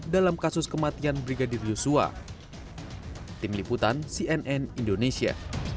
dalam kasus kematian brigadir yosua